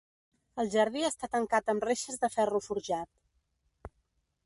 El jardí està tancat amb reixes de ferro forjat.